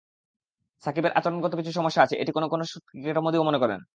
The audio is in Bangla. সাকিবের আচরণগত কিছু সমস্যা আছে, এটি কোনো কোনো ক্রিকেটামোদীও মনে করেন।